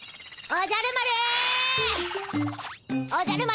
おじゃる丸？